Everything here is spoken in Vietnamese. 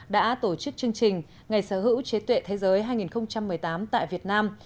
đã tổ chức chương trình ngày sở hữu trí tuệ thế giới hai nghìn một mươi tám tại việt nam